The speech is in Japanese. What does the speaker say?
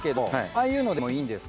ああいうのでもいいです。